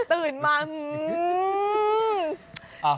ตื่นมา